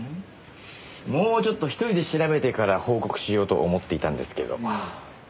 もうちょっと１人で調べてから報告しようと思っていたんですけど。